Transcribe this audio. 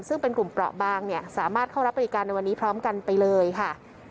ซึ่งเป็นกลุ่มเปราะบางเนี่ยสามารถเข้ารับบริการในวันนี้พร้อมกันไปเลยค่ะ